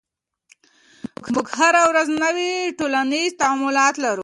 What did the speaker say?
موږ هره ورځ نوي ټولنیز تعاملات لرو.